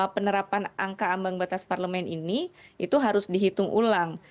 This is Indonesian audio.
penerapan angka ambang batas parlemen ini itu harus dihitung ulang